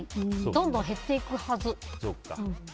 どんどん減っていくはず。